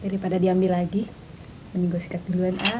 daripada diambil lagi minggu sikat duluan ah